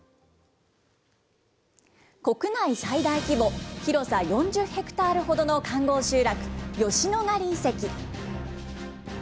国内最大規模、広さ４０ヘクタールほどの環ごう集落、吉野ヶ里遺跡。